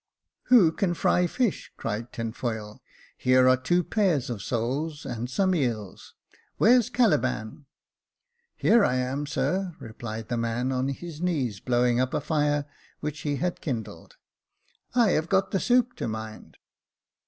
"Who can fry fish?" cried Tinfoil. "Here are two pairs of soles and some eels. Where's Caliban ?"" Here I am, sir," replied the man, on his knees, blow ing up a fire which he had kindled. " I have got the soup to mind."